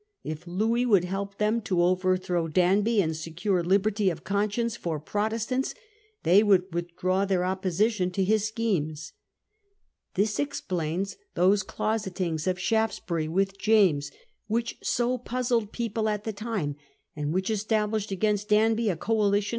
If Louis would help them to overthrow Danby and secure liberty of conscience for Protestants, they would withdraw their oppositioncto his schemes. This Alliance of ex P^ a ^ ns those closetings of Shaftesbury with Louis and James which so puzzled people at the time, Shaftesbury and which established against Danby a coali Opposition.